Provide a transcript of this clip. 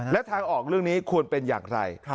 และทางออกเรื่องนี้ควรเป็นอย่างไร